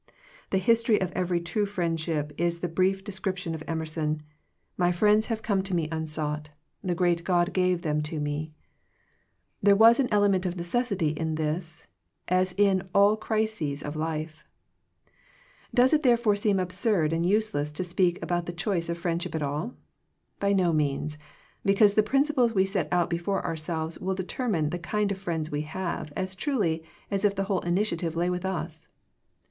The history of every true friendship is the brief descrip tion of Emerson, •* My friends have come 94 Digitized by VjOOQIC THE CHOICE OF FRIENDSHIP to me unsought; the great God gave them to me." There was an element of necessity in this, as in all crises of life. Does it therefore seem absurd and use« less to speak' about the choice of friend ship at all ? By no means, because the principles we set before ourselves will determine the kind of friends we have, as truly as if the whole initiative lay with us.